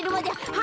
は